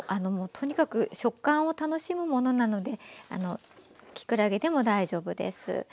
とにかく食感を楽しむものなのできくらげでも大丈夫です。